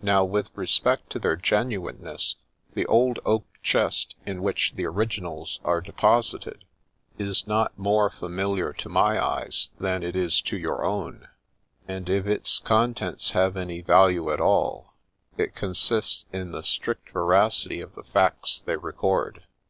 Now with respect to their genuineness, the old oak chest, in which the originals are deposited, is not more familiar to my eyes than it is to your own ; and if its contents have any value at all, it consists in the strict veracity of the facts they record.